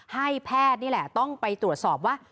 ให้แพทย์นี่แหละต้องไปตรวจสอบว่า